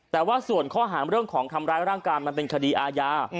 แต่ว่าส่วนข้อหาเรื่องของทำร้ายร่างกายมันเป็นคดีอาญา